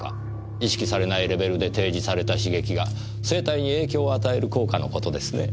意識されないレベルで提示された刺激が生体に影響を与える効果のことですね。